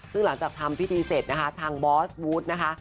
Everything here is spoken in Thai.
ซึ่งหลังจากทำพิธีเสร็จนะคะทางบอสวูธนะคะ